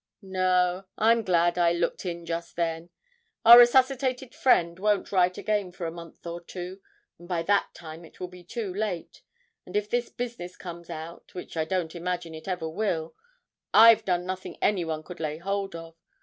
No, I'm glad I looked in just then. Our resuscitated friend won't write again for a month or two and by that time it will be too late. And if this business comes out (which I don't imagine it ever will) I've done nothing anyone could lay hold of.